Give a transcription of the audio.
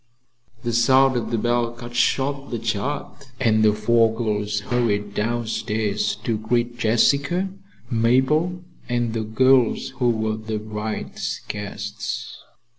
The sound of the bell cut short the chat and the four girls hurried downstairs to greet Jessica, Mabel and the girls who were the Bright's guests.